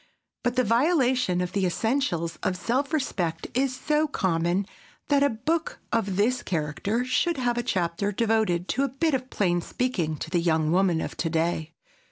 But the violation of the essentials of self respect is so common that a book of this character should have a chapter devoted to a bit of plain speaking to the young woman of to day.